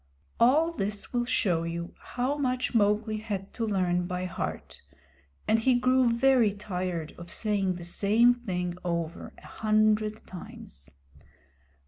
All this will show you how much Mowgli had to learn by heart, and he grew very tired of saying the same thing over a hundred times.